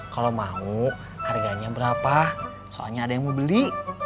kalau mau harganya berapa soalnya ada yang mau beli